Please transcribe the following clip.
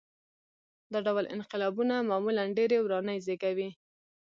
دا ډول انقلابونه معمولاً ډېرې ورانۍ زېږوي.